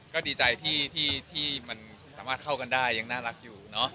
ก็ดีใจที่มันสามารถเข้ากันได้ยังน่ารักอยู่เนอะ